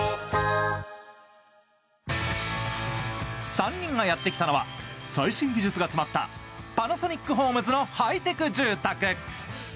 ３人がやってきたのは最新技術が詰まったパナソニックホームズのハイテク住宅。